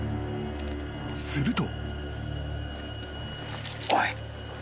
［すると］